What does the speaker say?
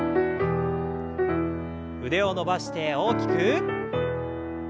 腕を伸ばして大きく。